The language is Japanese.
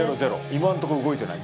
今んとこ動いてない